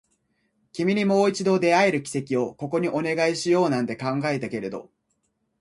君にもう一度出会える奇跡をここにお願いしようなんて考えたけれど